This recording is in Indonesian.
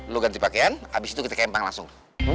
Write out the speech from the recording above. lu ganti pakaian abis itu kita campang langsung